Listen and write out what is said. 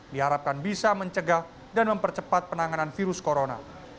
diharapkan bisa mencegah dan mempercepat penanganan virus corona